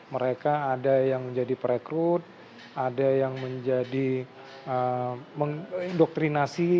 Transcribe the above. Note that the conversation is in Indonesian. mereka ada yang menjadi perekrut ada yang menjadi mendoktrinasi